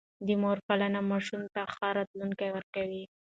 د مور پالنه ماشومانو ته ښه راتلونکی ورکوي.